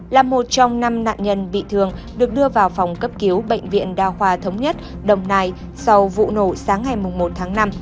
là một trong năm nạn nhân bị thương được đưa vào phòng cấp cứu bệnh viện đa khoa thống nhất đồng nai sau vụ nổ sáng ngày một tháng năm